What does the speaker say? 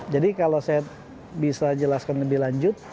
jadi kalau saya bisa jelaskan lebih lanjut